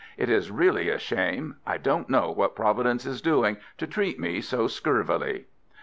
It is really a shame. I don't know what Providence is doing, to treat me so scurvily."